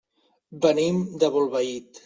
Venim de Bolbait.